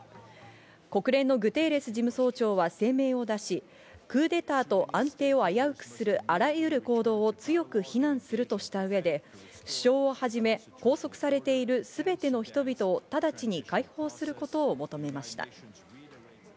国連のグテーレス事務総長は声明を出し、クーデターと安定を危うくするあらゆる行動を強く非難するとした上で首相をはじめ拘束されているすべての人々を直ちに解放することを求めました。